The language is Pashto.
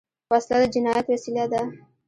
وسله د جنايت وسیله ده